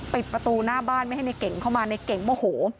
ปิดประตูหน้าบ้านไม่ให้ในเก่งเข้ามาในเก่งโมโห